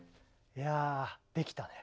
いやできたね。